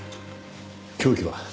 凶器は？